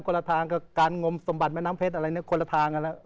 คนละทางกับการงมสมบัติแม่น้ำเพชรอะไรนี้คนละทาง